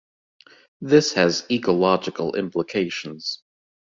This has ecological implications.